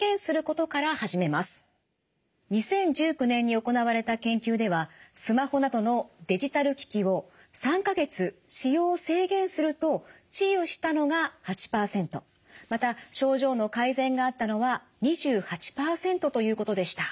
２０１９年に行われた研究ではスマホなどのデジタル機器を３か月使用を制限すると治癒したのが８％また症状の改善があったのは２８％ということでした。